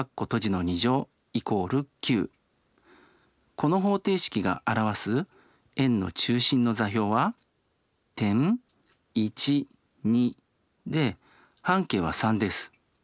この方程式が表す円の中心の座標は点で半径は３です。